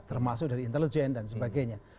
termasuk dari intelijen dan sebagainya